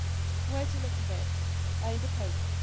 "Wait a little bit," I interposed.